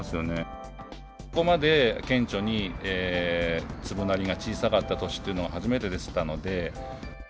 ここまで顕著に粒なりが小さかった年というのは初めてでしたので。